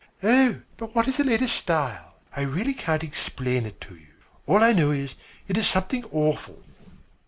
"Oh, but what is the latest style?" "I really can't explain it to you. All I know is, it is something awful."